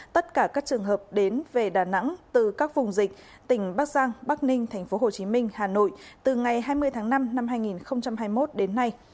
tất cả các trường hợp đến về đà nẵng từ các vùng dịch tỉnh bắc giang bắc ninh tp hcm hà nội từ ngày hai mươi tháng năm năm hai nghìn hai mươi một đến nay